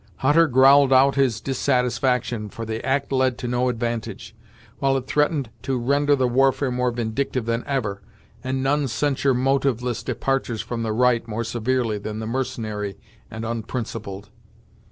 Hutter growled out his dissatisfaction, for the act led to no advantage, while it threatened to render the warfare more vindictive than ever, and none censure motiveless departures from the right more severely than the mercenary and unprincipled.